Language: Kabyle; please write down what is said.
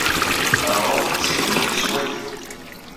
Aɣrum ttgen-t-id s wagil.